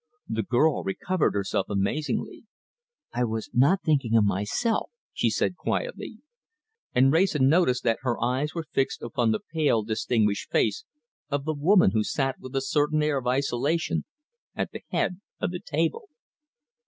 The girl recovered herself amazingly. "I was not thinking of myself," she said quietly; and Wrayson noticed that her eyes were fixed upon the pale, distinguished face of the woman who sat with a certain air of isolation at the head of the table.